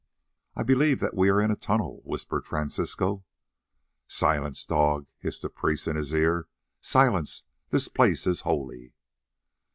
"I believe that we are in a tunnel," whispered Francisco. "Silence, dog," hissed a priest in his ear. "Silence, this place is holy."